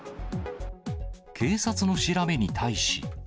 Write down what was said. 警察の調べに対し。